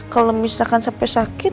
kalau misalkan sampai sakit